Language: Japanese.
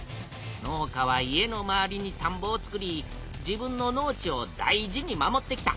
農家は家の周りにたんぼを作り自分の農地を大事に守ってきた。